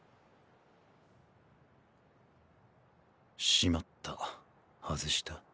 しまった外した。